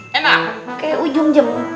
kayak ujung jempol